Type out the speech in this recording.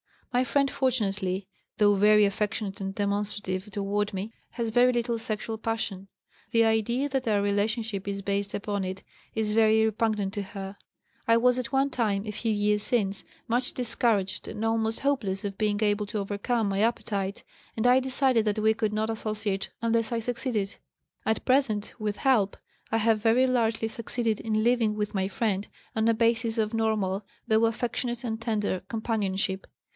My friend, fortunately, though very affectionate and demonstrative toward me, has very little sexual passion. The idea that our relationship is based upon it is very repugnant to her. I was at one time, a few years since, much discouraged and almost hopeless of being able to overcome my appetite, and I decided that we could not associate unless I succeeded. At present, with help, I have very largely succeeded in living with my friend on a basis of normal, though affectionate and tender, companionship.